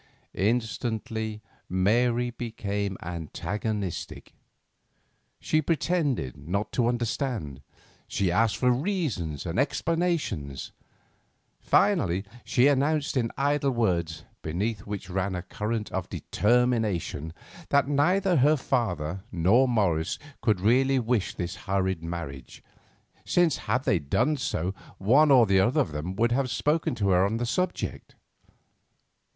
Instantly Mary became antagonistic. She pretended not to understand; she asked for reasons and explanations. Finally, she announced in idle words, beneath which ran a current of determination, that neither her father nor Morris could really wish this hurried marriage, since had they done so one or other of them would have spoken to her on the subject.